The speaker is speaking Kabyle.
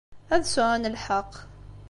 Ad sɛun lḥeqq.